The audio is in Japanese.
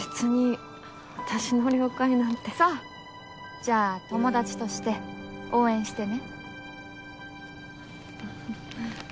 じゃあ友達として応援してね。